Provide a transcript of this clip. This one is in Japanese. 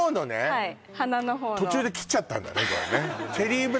はい途中で切っちゃったんだねじゃあね